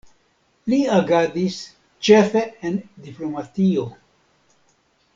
Li agadis ĉefe en diplomatio.